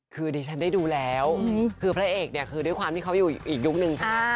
คือดิฉันได้ดูแล้วคือพระเอกเนี่ยคือด้วยความที่เขาอยู่อีกยุคนึงใช่ไหม